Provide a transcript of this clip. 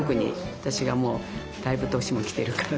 私がもうだいぶ年もきてるからね。